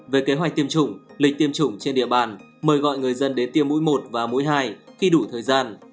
về kế hoạch tiêm chủng lịch tiêm chủng trên địa bàn mời gọi người dân đến tiêm mũi một và mũi hai khi đủ thời gian